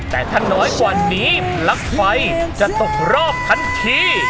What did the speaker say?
แต่ถ้าน้อยกว่านี้ปลั๊กไฟจะตกรอบทันที